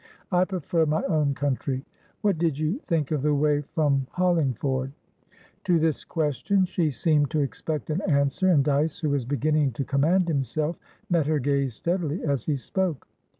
I prefer my own country. What did you think of the way from Hollingford?" To this question she seemed to expect an answer, and Dyce, who was beginning to command himself, met her gaze steadily as he spoke.